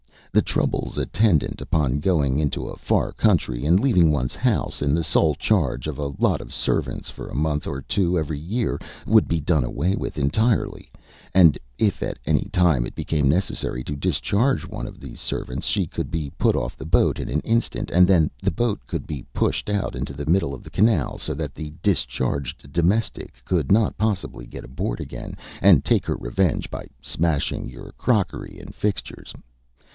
The troubles attendant upon going into a far country, and leaving one's house in the sole charge of a lot of servants for a month or two every year, would be done away with entirely; and if at any time it became necessary to discharge one of these servants, she could be put off the boat in an instant, and then the boat could be pushed out into the middle of the canal, so that the discharged domestic could not possibly get aboard again and take her revenge by smashing your crockery and fixtures.